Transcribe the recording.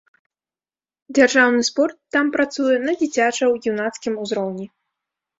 Дзяржаўны спорт там працуе на дзіцяча-юнацкім узроўні.